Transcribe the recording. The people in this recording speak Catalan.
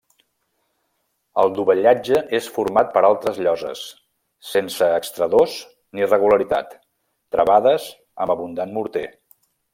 El dovellatge és format per altres lloses, sense extradós ni regularitat, travades amb abundant morter.